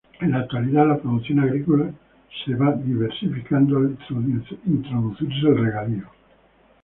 En la actualidad la producción agrícola se va diversificando al introducirse el regadío.